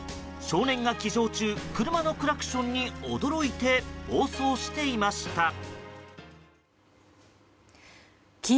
少年が騎乗中車のクラクションに驚いて暴走していました。